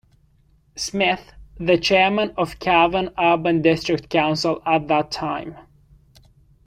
Smith, the Chairman of Cavan Urban District Council at that time.